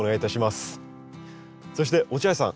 そして落合さん